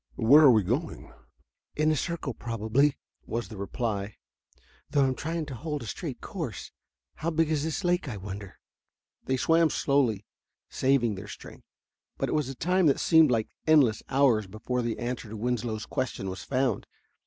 Where are we going?" "In a circle, probably," was the reply, "though I'm trying to hold a straight course. How big is this lake, I wonder?" They swam slowly, saving their strength, but it was a time that seemed like endless hours before the answer to Winslow's question was found.